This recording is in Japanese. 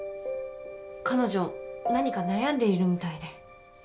彼女何か悩んでいるみたいで。